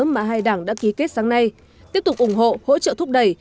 mà hai đảng đã ký kết sáng nay tiếp tục ủng hộ hỗ trợ thúc đẩy